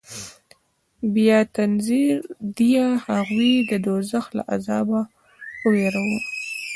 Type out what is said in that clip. بيا تنذير ديه هغوى د دوزخ له عذابه ووېروه.